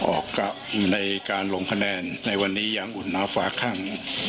ออกกับในการลงคะแนนในวันนี้ยังอุ่นหน้าฝาข้าง